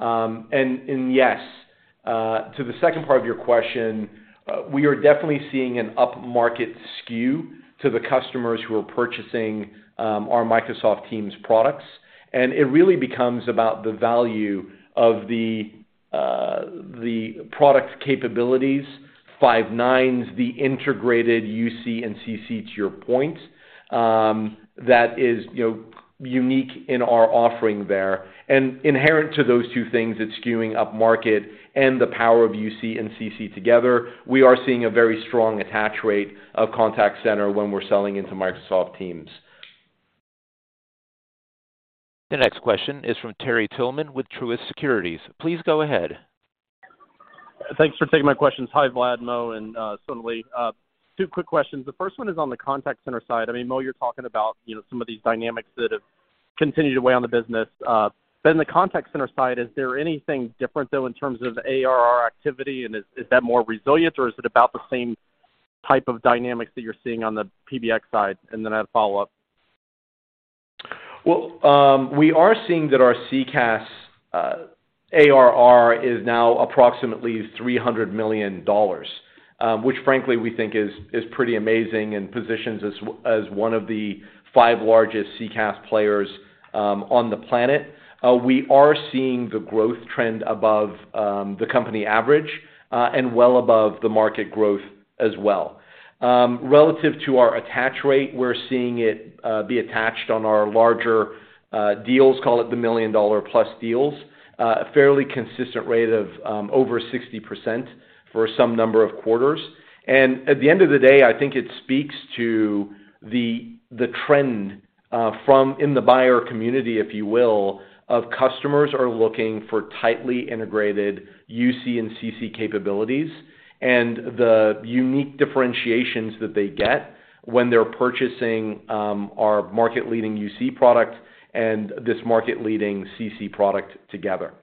Yes, to the second part of your question, we are definitely seeing an upmarket skew to the customers who are purchasing our Microsoft Teams products, and it really becomes about the value of the product capabilities, five nines, the integrated UC and CC to your point, that is, you know, unique in our offering there. Inherent to those two things, it's skewing upmarket and the power of UC and CC together. We are seeing a very strong attach rate of contact center when we're selling into Microsoft Teams. The next question is from Terry Tillman with Truist Securities. Please go ahead. Thanks for taking my questions. Hi, Vlad, Mo, and Sonalee. Two quick questions. The first one is on the Contact Center side. I mean, Mo, you're talking about, you know, some of these dynamics that have continued to weigh on the business. But in the Contact Center side, is there anything different, though, in terms of ARR activity, and is that more resilient, or is it about the same type of dynamics that you're seeing on the PBX side? Then I have follow-up. Well, we are seeing that our CCaaS ARR is now approximately $300 million, which frankly we think is pretty amazing and positions us as one of the five largest CCaaS players on the planet. We are seeing the growth trend above the company average and well above the market growth as well. Relative to our attach rate, we're seeing it be attached on our larger deals, call it the $1 million-plus deals, a fairly consistent rate of over 60% for some number of quarters. At the end of the day, I think it speaks to the trend, from in the buyer community, if you will, of customers are looking for tightly integrated UC and CC capabilities and the unique differentiations that they get when they're purchasing, our market-leading UC product and this market-leading CC product together.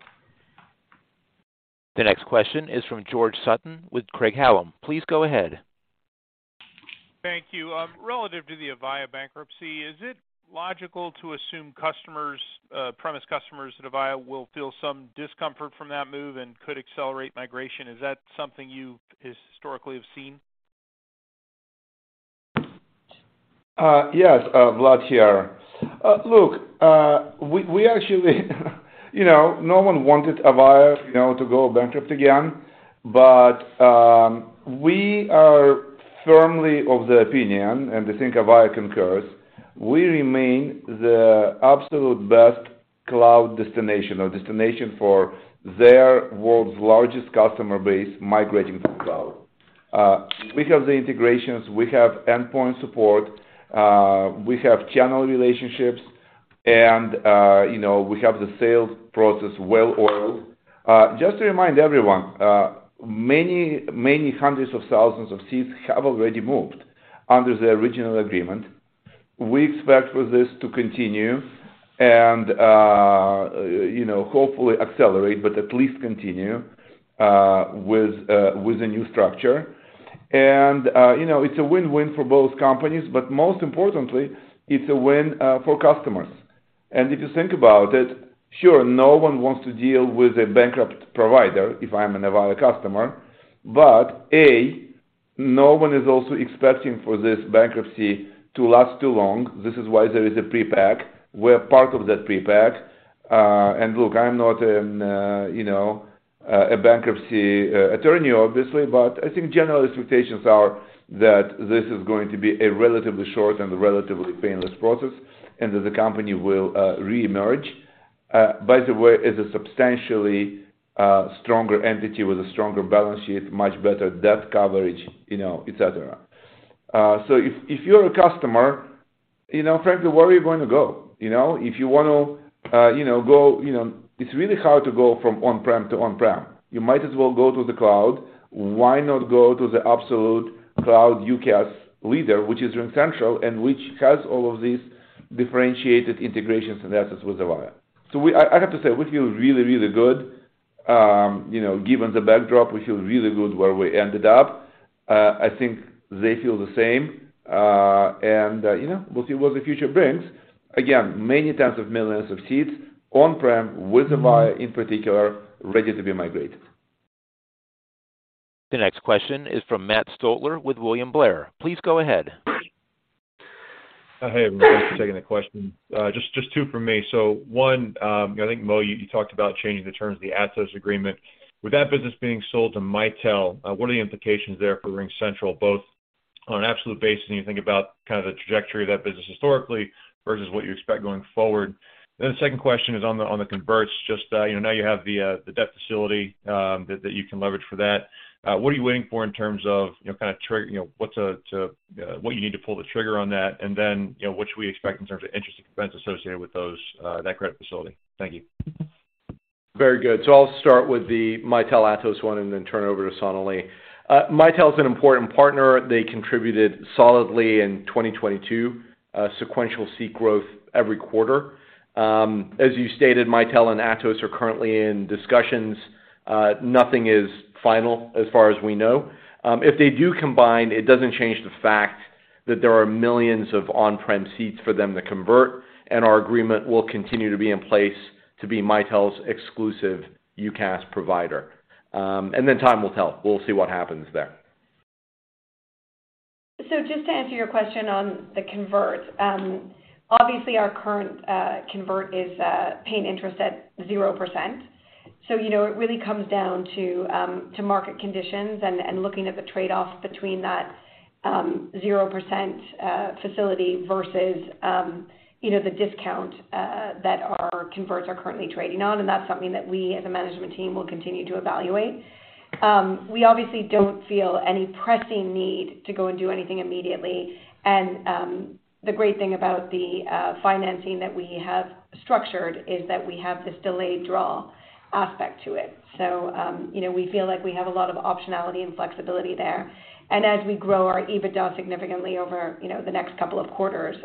The next question is from George Sutton with Craig-Hallum. Please go ahead. Thank you. Relative to the Avaya bankruptcy, is it logical to assume premise customers at Avaya will feel some discomfort from that move and could accelerate migration? Is that something you've historically have seen? Yes, Vlad here. Look, we actually you know, no one wanted Avaya, you know, to go bankrupt again. We are firmly of the opinion, and I think Avaya concurs, we remain the absolute best cloud destination or destination for their world's largest customer base migrating to the cloud. We have the integrations, we have endpoint support, we have channel relationships, and you know, we have the sales process well oiled. Just to remind everyone, many hundreds of thousands of seats have already moved under the original agreement. We expect for this to continue and you know, hopefully accelerate, but at least continue with the new structure. You know, it's a win-win for both companies, but most importantly, it's a win for customers. If you think about it, sure, no one wants to deal with a bankrupt provider if I am a Nevada customer. A, no one is also expecting for this bankruptcy to last too long. This is why there is a pre-pack. We're part of that pre-pack. And look, I'm not a, you know, a bankruptcy attorney, obviously, but I think general expectations are that this is going to be a relatively short and relatively painless process and that the company will reemerge. By the way, as a substantially stronger entity with a stronger balance sheet, much better debt coverage, you know, etc. If, if you're a customer, you know, frankly, where are you going to go? You know, if you wanna, you know, go. You know, it's really hard to go from on-prem to on-prem. You might as well go to the cloud. Why not go to the absolute cloud UCaaS leader, which is RingCentral, and which has all of these differentiated integrations and assets with Avaya? I have to say, we feel really, really good, you know, given the backdrop. We feel really good where we ended up. I think they feel the same. You know, we'll see what the future brings. Again, many tens of millions of seats on-prem with Avaya in particular, ready to be migrated. The next question is from Matt Stotler with William Blair. Please go ahead. Hey, everyone. Thanks for taking the question. Just two from me. One, you know, I think, Mo, you talked about changing the terms of the Atos agreement. With that business being sold to Mitel, what are the implications there for RingCentral, both on an absolute basis when you think about kind of the trajectory of that business historically versus what you expect going forward? The second question is on the converts. Just, you know, now you have the debt facility that you can leverage for that. What are you waiting for in terms of, you know, kinda trigger, you know, what's what you need to pull the trigger on that? You know, what should we expect in terms of interest expense associated with those that credit facility? Thank you. Very good. I'll start with the Mitel Atos one and then turn it over to Sonalee. Mitel is an important partner. They contributed solidly in 2022, sequential seat growth every quarter. As you stated, Mitel and Atos are currently in discussions. Nothing is final as far as we know. If they do combine, it doesn't change the fact that there are millions of on-prem seats for them to convert, and our agreement will continue to be in place to be Mitel's exclusive UCaaS provider. Time will tell. We'll see what happens there. Just to answer your question on the convert, obviously, our current convert is paying interest at 0%. You know, it really comes down to market conditions and looking at the trade-offs between that 0% facility versus, you know, the discount that our converts are currently trading on, and that's something that we as a management team will continue to evaluate. We obviously don't feel any pressing need to go and do anything immediately. The great thing about the financing that we have structured is that we have this delayed draw aspect to it. You know, we feel like we have a lot of optionality and flexibility there. As we grow our EBITDA significantly over, you know, the next couple of quarters,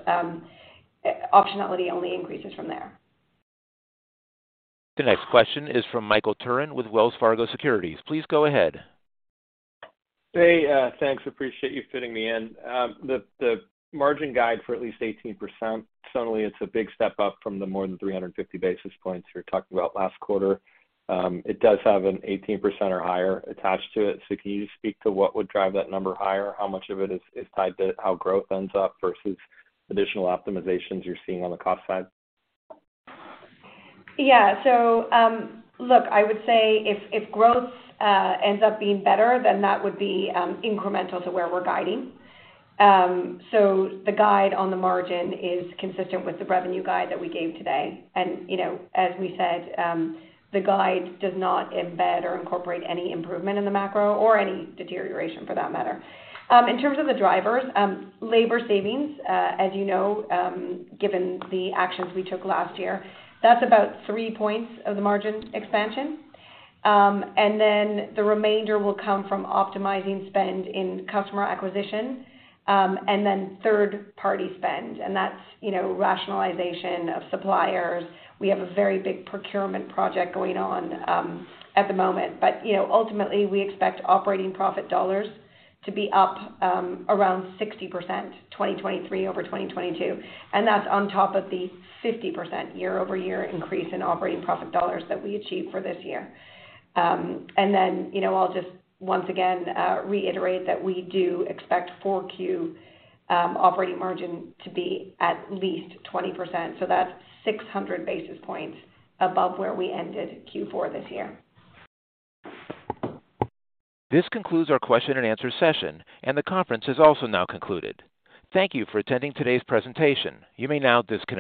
optionality only increases from there. The next question is from Michael Turrin with Wells Fargo Securities. Please go ahead. Hey, thanks. Appreciate you fitting me in. The margin guide for at least 18%, Sonalee, it's a big step up from the more than 350 basis points you were talking about last quarter. It does have an 18% or higher attached to it. Can you speak to what would drive that number higher? How much of it is tied to how growth ends up versus additional optimizations you're seeing on the cost side? Yeah. Look, I would say if growth ends up being better, then that would be incremental to where we're guiding. The guide on the margin is consistent with the revenue guide that we gave today. You know, as we said, the guide does not embed or incorporate any improvement in the macro or any deterioration for that matter. In terms of the drivers, labor savings, as you know, given the actions we took last year, that's about 3 points of the margin expansion. Then the remainder will come from optimizing spend in customer acquisition, and then third-party spend, and that's, you know, rationalization of suppliers. We have a very big procurement project going on at the moment. You know, ultimately, we expect operating profit dollars to be up around 60% 2023 over 2022, and that's on top of the 50% year-over-year increase in operating profit dollars that we achieved for this year. You know, I'll just once again reiterate that we do expect 4Q operating margin to be at least 20%, so that's 600 basis points above where we ended Q4 this year. This concludes our question and answer session, and the conference is also now concluded. Thank you for attending today's presentation. You may now disconnect.